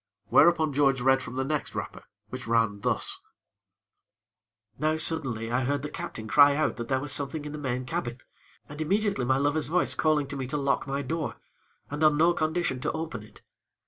Whereupon, George read from the next wrapper, which ran thus: "Now, suddenly, I heard the Captain cry out that there was something in the main cabin, and immediately my lover's voice calling to me to lock my door, and on no condition to open it.